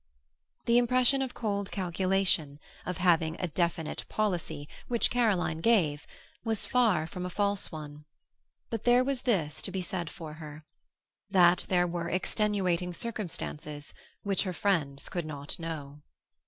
The impression of cold calculation, of having a definite policy, which Caroline gave, was far from a false one; but there was this to be said for her that there were extenuating circumstances which her friends could not know.